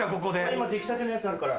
今出来たてのやつあるから。